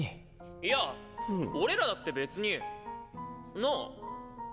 いや俺らだって別になぁ？